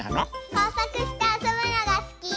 こうさくしてあそぶのがすき。